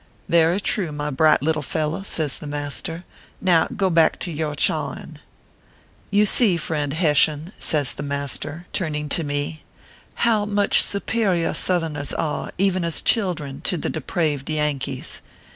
" Very true, my bright little fellow," says the mas ter ;" now go back to your chawing." " You see, friend Hessian," says the master, turn 288 ORPHEUS C. KERR PAPERS. ing to me, " how much superior Southerners are, even as children, to the depraved Yankees.